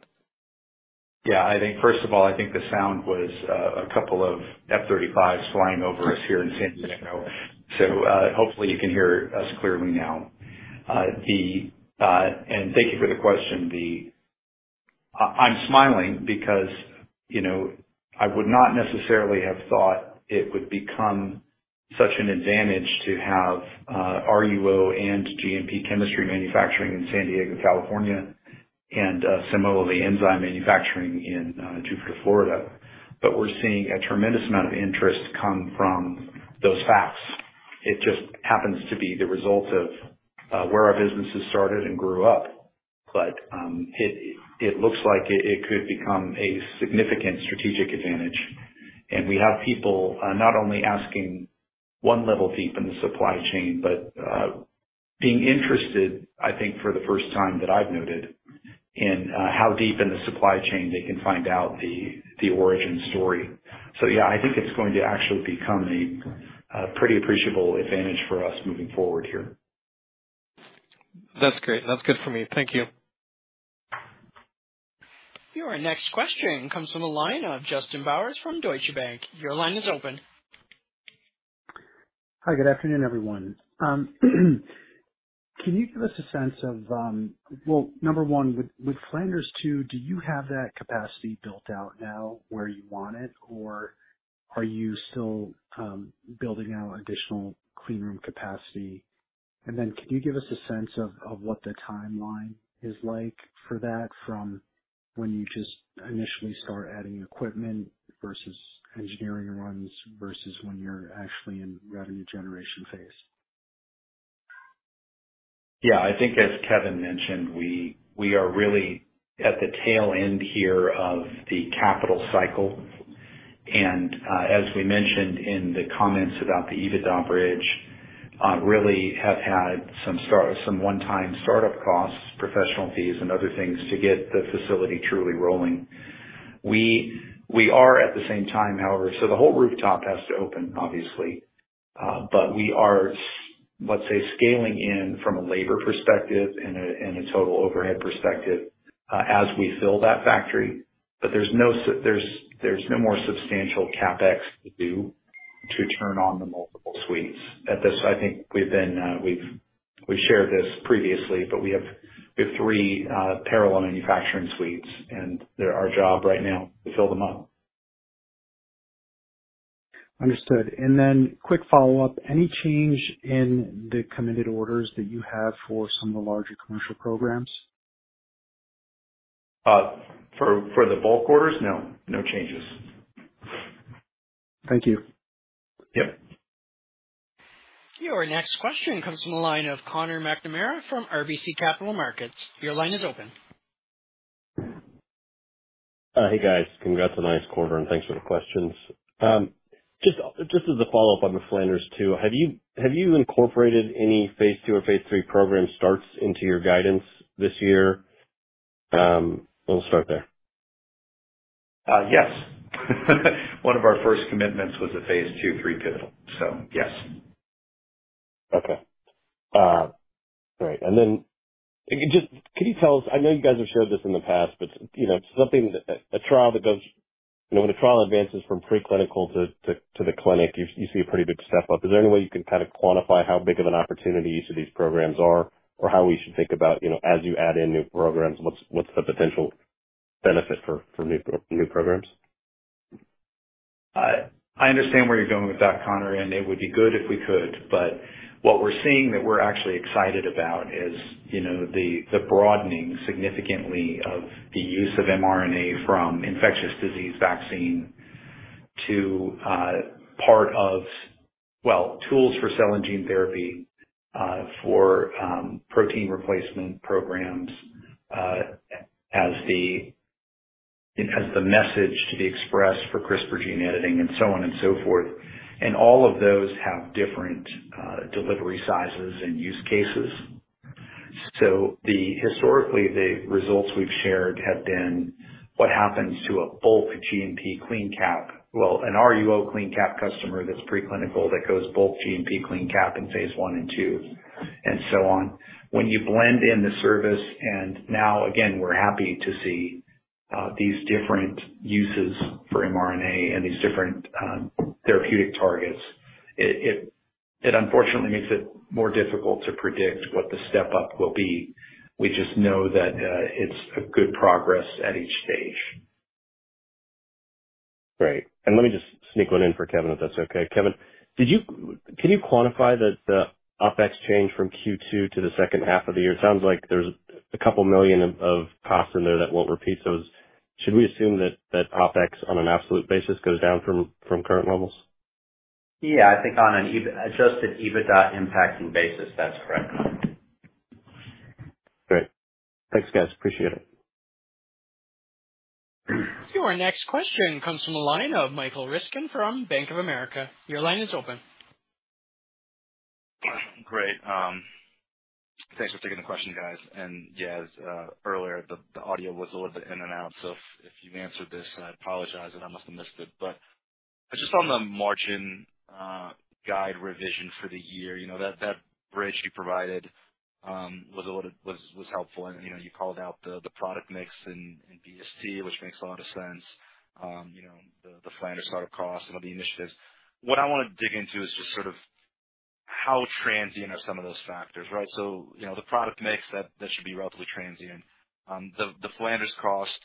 Yeah, I think, first of all, I think the sound was a couple of F-35s flying over us here in San Diego. So hopefully you can hear us clearly now. And thank you for the question. I'm smiling because, you know, I would not necessarily have thought it would become such an advantage to have RUO and GMP chemistry manufacturing in San Diego, California, and similarly enzyme manufacturing in Jupiter, Florida. But we're seeing a tremendous amount of interest come from those facts. It just happens to be the result of where our businesses started and grew up. But it looks like it could become a significant strategic advantage. And we have people not only asking one level deep in the supply chain, but being interested, I think, for the first time that I've noted, in how deep in the supply chain they can find out the origin story. So, yeah, I think it's going to actually become a pretty appreciable advantage for us moving forward here.
That's great. That's good for me. Thank you.
Your next question comes from a line of Justin Bowers from Deutsche Bank. Your line is open.
Hi, good afternoon, everyone. Can you give us a sense of, well, number one, with Flanders II, do you have that capacity built out now where you want it, or are you still building out additional clean room capacity? And then can you give us a sense of what the timeline is like for that from when you just initially start adding equipment versus engineering runs versus when you're actually in revenue generation phase?
Yeah, I think, as Kevin mentioned, we are really at the tail end here of the capital cycle. And as we mentioned in the comments about the EBITDA bridge, really have had some one-time startup costs, professional fees, and other things to get the facility truly rolling. We are, at the same time, however, so the whole rooftop has to open, obviously. But we are, let's say, scaling in from a labor perspective and a total overhead perspective as we fill that factory. But there's no more substantial CapEx to do to turn on the multiple suites. At this, I think we've shared this previously, but we have three parallel manufacturing suites, and our job right now is to fill them up.
Understood. And then quick follow-up, any change in the committed orders that you have for some of the larger commercial programs?
For the bulk orders, no. No changes.
Thank you. Yep.
Your next question comes from a line of Conor McNamara from RBC Capital Markets.
Your line is open. Hey, guys. Congrats on the nice quarter, and thanks for the questions. Just as a follow-up on the Flanders II, have you incorporated any phase two or phase three program starts into your guidance this year? We'll start there.
Yes. One of our first commitments was a phase two/three pivotal, so yes.
Okay. Great. And then just can you tell us, I know you guys have shared this in the past, but, you know, something that a trial that goes, you know, when a trial advances from preclinical to the clinic, you see a pretty big step up. Is there any way you can kind of quantify how big of an opportunity each of these programs are, or how we should think about, you know, as you add in new programs, what's the potential benefit for new programs?
I understand where you're going with that, Conor, and it would be good if we could. But what we're seeing that we're actually excited about is, you know, the broadening significantly of the use of mRNA from infectious disease vaccine to part of, well, tools for cell and gene therapy for protein replacement programs as the message to be expressed for CRISPR gene editing and so on and so forth. And all of those have different delivery sizes and use cases. So historically, the results we've shared have been what happens to a bulk GMP CleanCap, well, an RUO CleanCap customer that's preclinical that goes bulk GMP CleanCap in phase 1 and 2 and so on. When you blend in the service, and now, again, we're happy to see these different uses for mRNA and these different therapeutic targets, it unfortunately makes it more difficult to predict what the step up will be. We just know that it's a good progress at each stage.
Great. And let me just sneak one in for Kevin, if that's okay. Kevin, can you quantify the OpEx change from Q2 to the H2 of the year? It sounds like there's a couple million of costs in there that won't repeat. So should we assume that OpEx on an absolute basis goes down from current levels?
Yeah, I think on an adjusted EBITDA impacting basis, that's correct.
Great. Thanks, guys. Appreciate it.
Your next question comes from a line of Michael Ryskin from Bank of America. Your line is open.
Great. Thanks for taking the question, guys. Yeah, as earlier, the audio was a little bit in and out, so if you answered this, I apologize, and I must have missed it. But just on the margin guide revision for the year, you know, that bridge you provided was helpful. And you called out the product mix and BST, which makes a lot of sense, you know, the Flanders startup cost and all the initiatives. What I want to dig into is just sort of how transient are some of those factors, right? So, you know, the product mix, that should be relatively transient. The Flanders cost,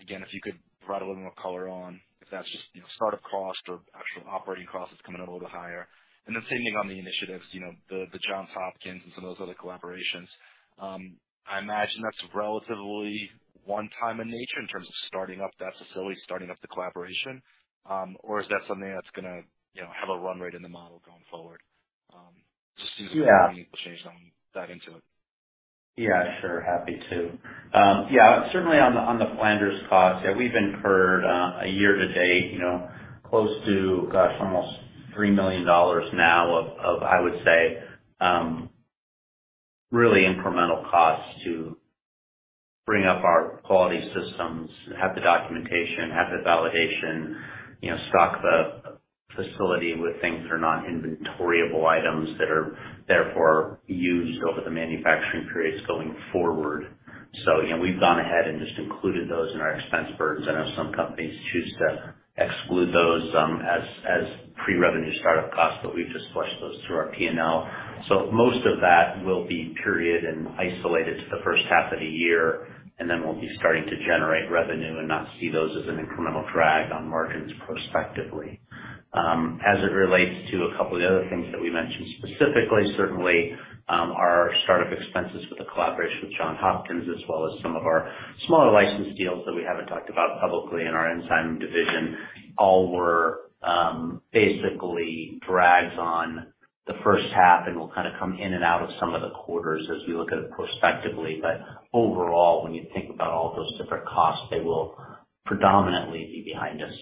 again, if you could provide a little more color on, if that's just, you know, startup cost or actual operating cost, it's coming up a little bit higher. And then same thing on the initiatives, you know, the Johns Hopkins and some of those other collaborations. I imagine that's relatively one-time in nature in terms of starting up that facility, starting up the collaboration, or is that something that's going to, you know, have a run rate in the model going forward? Just seems like you're willing to change that into it.
Yeah, sure. Happy to. Yeah, certainly on the Flanders costs, yeah, we've incurred a year to date, you know, close to, gosh, almost $3 million now of, I would say, really incremental costs to bring up our quality systems, have the documentation, have the validation, you know, stock the facility with things that are not inventoriable items that are therefore used over the manufacturing periods going forward. So, you know, we've gone ahead and just included those in our expense burdens. I know some companies choose to exclude those as pre-revenue startup costs, but we've just flushed those through our P&L. So most of that will be permanently isolated to the H1 of the year, and then we'll be starting to generate revenue and not see those as an incremental drag on margins prospectively. As it relates to a couple of the other things that we mentioned specifically, certainly our startup expenses with the collaboration with Johns Hopkins, as well as some of our smaller license deals that we haven't talked about publicly in our enzyme division, all were basically drags on the H1 and will kind of come in and out of some of the quarters as we look at it prospectively. But overall, when you think about all those different costs, they will predominantly be behind us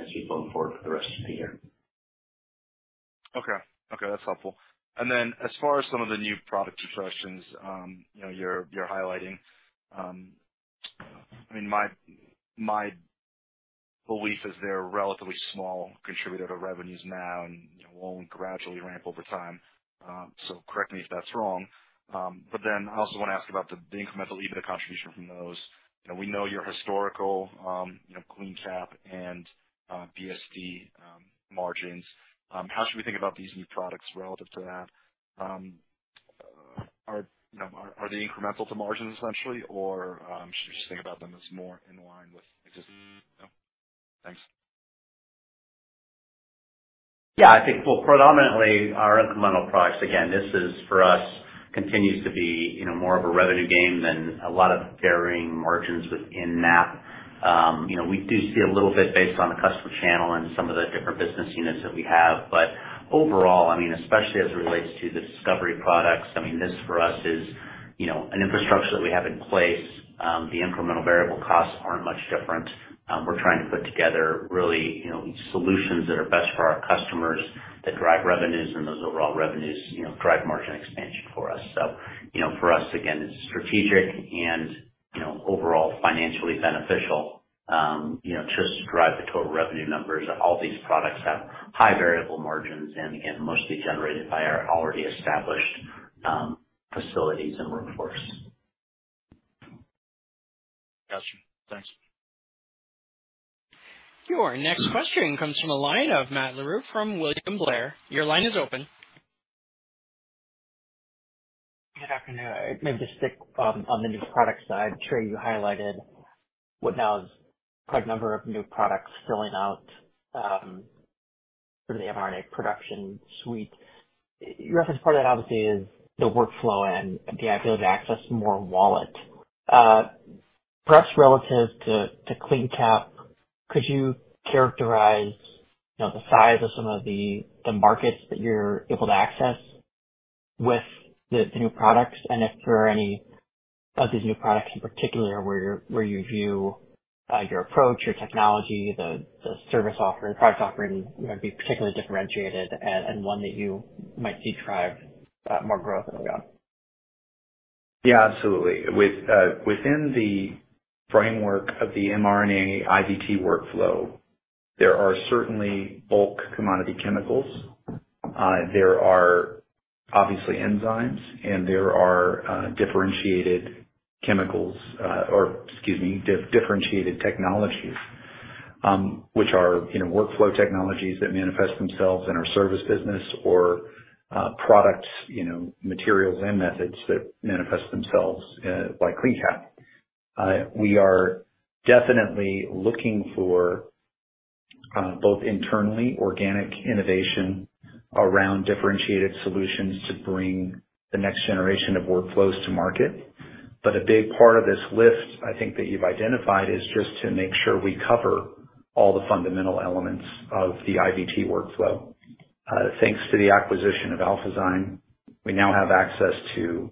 as we go forward for the rest of the year.
Okay. Okay. That's helpful. And then as far as some of the new product contributions, you know, you're highlighting, I mean, my belief is they're relatively small contributor to revenues now and will only gradually ramp over time. So correct me if that's wrong. But then I also want to ask about the incremental EBITDA contribution from those. We know your historical CleanCap and BST margins. How should we think about these new products relative to that? Are they incremental to margins, essentially, or should we just think about them as more in line with existing? No? Thanks.
Yeah, I think, well, predominantly our incremental products, again, this is for us, continues to be, you know, more of a revenue gain than a lot of varying margins within NAP. You know, we do see a little bit based on the customer channel and some of the different business units that we have. But overall, I mean, especially as it relates to the discovery products, I mean, this for us is, you know, an infrastructure that we have in place. The incremental variable costs aren't much different. We're trying to put together really, you know, solutions that are best for our customers that drive revenues and those overall revenues, you know, drive margin expansion for us. So, you know, for us, again, it's strategic and, you know, overall financially beneficial, you know, just to drive the total revenue numbers that all these products have high variable margins and, again, mostly generated by our already established facilities and workforce.
Gotcha. Thanks.
Your next question comes from a line of Matt Larew from William Blair. Your line is open.
Good afternoon. Maybe just stick on the new product side. Trey, you highlighted what now is quite a number of new products filling out for the mRNA production suite. Your reference part of that, obviously, is the workflow and the ability to access more wallet. Perhaps relative to CleanCap, could you characterize, you know, the size of some of the markets that you're able to access with the new products? And if there are any of these new products in particular where you view your approach, your technology, the service offering, the product offering, you know, to be particularly differentiated and one that you might see drive more growth and beyond?
Yeah, absolutely. Within the framework of the mRNA IVT workflow, there are certainly bulk commodity chemicals. There are obviously enzymes, and there are differentiated chemicals or, excuse me, differentiated technologies, which are, you know, workflow technologies that manifest themselves in our service business or products, you know, materials and methods that manifest themselves by CleanCap. We are definitely looking for both internally organic innovation around differentiated solutions to bring the next generation of workflows to market. But a big part of this lift, I think, that you've identified is just to make sure we cover all the fundamental elements of the IVT workflow. Thanks to the acquisition of Alphazyme, we now have access to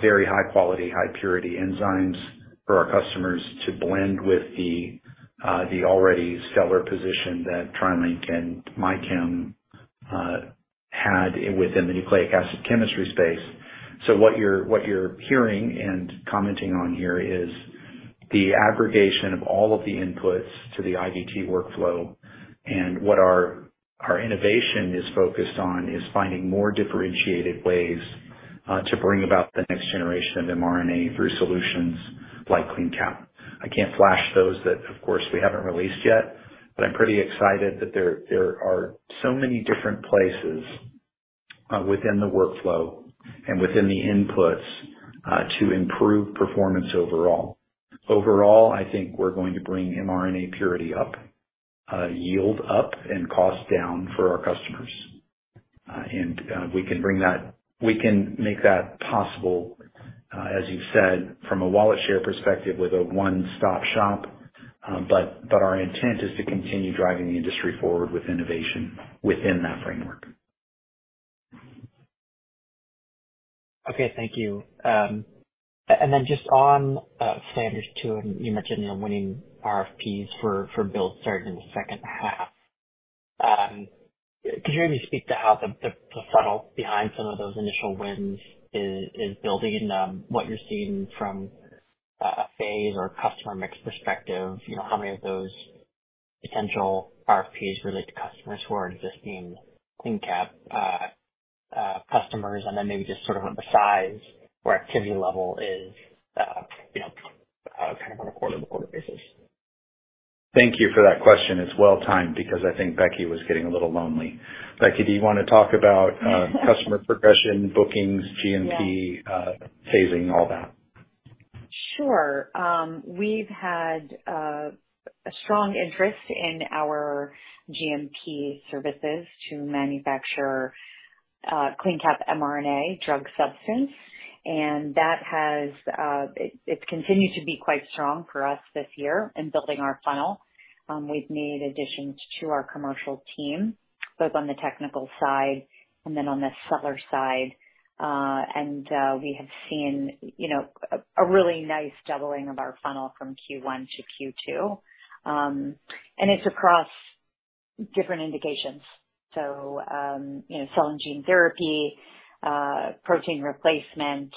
very high-quality, high-purity enzymes for our customers to blend with the already stellar position that TriLink and MyChem had within the nucleic acid chemistry space. So what you're hearing and commenting on here is the aggregation of all of the inputs to the IVT workflow, and what our innovation is focused on is finding more differentiated ways to bring about the next generation of mRNA through solutions like CleanCap. I can't flash those that, of course, we haven't released yet, but I'm pretty excited that there are so many different places within the workflow and within the inputs to improve performance overall. Overall, I think we're going to bring mRNA purity up, yield up, and cost down for our customers. And we can bring that, we can make that possible, as you've said, from a wallet share perspective with a one-stop shop. But our intent is to continue driving the industry forward with innovation within that framework.
Okay. Thank you. And then just on Flanders 2, and you mentioned, you know, winning RFPs for builds starting in the H2. Could you maybe speak to how the funnel behind some of those initial wins is building? What you're seeing from a phase or customer mix perspective, you know, how many of those potential RFPs relate to customers who are existing CleanCap customers? And then maybe just sort of the size or activity level is, you know, kind of on a quarter-to-quarter basis.
Thank you for that question. It's well-timed because I think Becky was getting a little lonely. Becky, do you want to talk about customer progression, bookings, GMP, phasing, all that?
Sure. We've had a strong interest in our GMP services to manufacture CleanCap mRNA drug substance. And that has, it's continued to be quite strong for us this year in building our funnel. We've made additions to our commercial team, both on the technical side and then on the seller side. We have seen, you know, a really nice doubling of our funnel from Q1 to Q2. It's across different indications. So, you know, cell and gene therapy, protein replacement,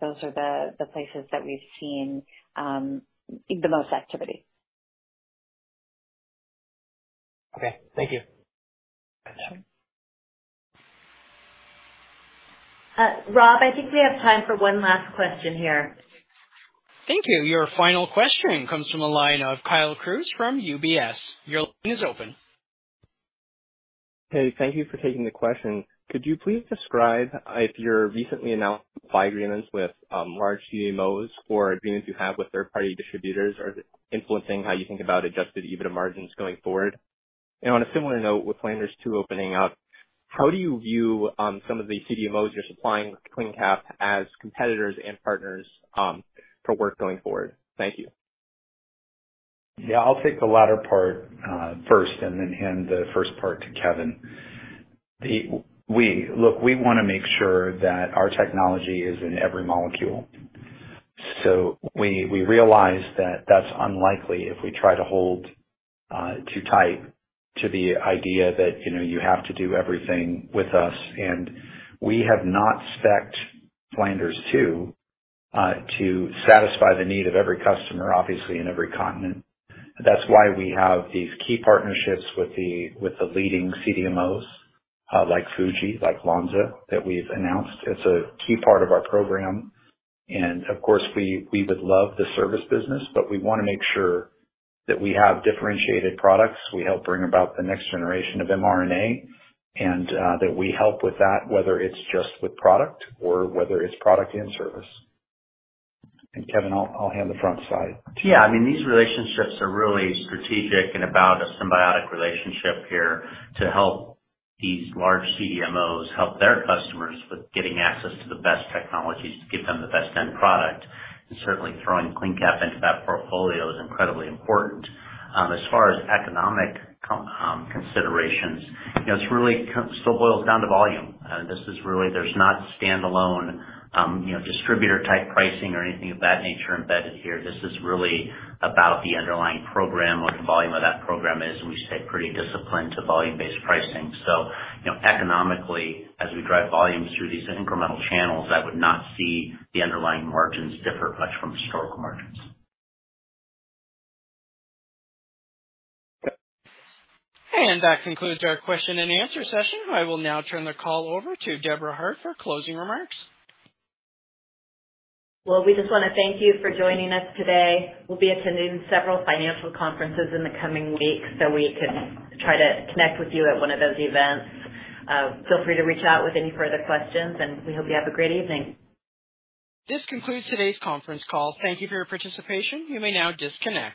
those are the places that we've seen the most activity.
Okay. Thank you.
Rob, I think we have time for one last question here.
Thank you. Your final question comes from a line of Kyle Cruz from UBS. Your line is open.
Hey, thank you for taking the question. Could you please describe if your recently announced supply agreements with large CDMOs or agreements you have with third-party distributors are influencing how you think about Adjusted EBITDA margins going forward? And on a similar note, with Flanders 2 opening up, how do you view some of the CDMOs you're supplying with CleanCap as competitors and partners for work going forward? Thank you.
Yeah, I'll take the latter part first and then hand the first part to Kevin. Look, we want to make sure that our technology is in every molecule. So we realize that that's unlikely if we try to hold too tight to the idea that, you know, you have to do everything with us. And we have not specced Flanders 2 to satisfy the need of every customer, obviously, in every continent. That's why we have these key partnerships with the leading CDMOs like Fuji, like Lonza that we've announced. It's a key part of our program. And of course, we would love the service business, but we want to make sure that we have differentiated products, we help bring about the next generation of mRNA, and that we help with that, whether it's just with product or whether it's product and service. And Kevin, I'll hand the front side to you.
Yeah, I mean, these relationships are really strategic and about a symbiotic relationship here to help these large CDMOs help their customers with getting access to the best technologies to give them the best-end product. And certainly, throwing CleanCap into that portfolio is incredibly important. As far as economic considerations, you know, it really still boils down to volume. This is really. There's not standalone, you know, distributor-type pricing or anything of that nature embedded here. This is really about the underlying program, what the volume of that program is, and we stay pretty disciplined to volume-based pricing. So, you know, economically, as we drive volumes through these incremental channels, I would not see the underlying margins differ much from historical margins.
That concludes our question and answer session. I will now turn the call over to Debra Hart for closing remarks.
Well, we just want to thank you for joining us today. We'll be attending several financial conferences in the coming weeks, so we can try to connect with you at one of those events. Feel free to reach out with any further questions, and we hope you have a great evening.
This concludes today's conference call. Thank you for your participation. You may now disconnect.